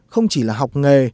không chỉ là học nghề